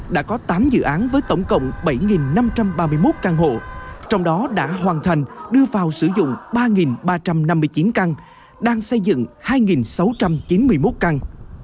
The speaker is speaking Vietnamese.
đã có tám dự án với tổng cộng bảy năm trăm ba mươi một căn hộ trong đó đã hoàn thành đưa vào sử dụng ba ba trăm năm mươi chín căn đang xây dựng hai sáu trăm chín mươi một căn